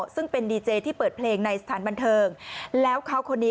ซึ่งเป็นดีเจที่เปิดเพลงในสถานบันเทิงแล้วเขาคนนี้